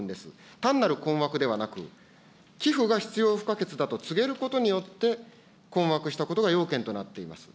単なる困惑ではなく、寄付が必要不可欠だと告げることによって、困惑したことが要件となっています。